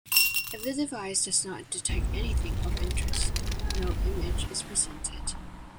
If the device does not detect anything of interest, no image is presented.